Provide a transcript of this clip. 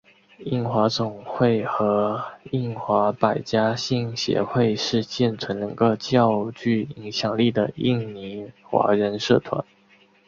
印华总会和印华百家姓协会是现存两个较具影响力的印尼华人社团。